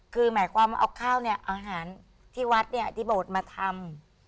คือหมายความเอาข้าวเนี่ยอาหารที่วัดเนี่ยที่โบสถ์มาทำ